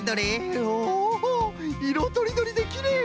おいろとりどりできれい！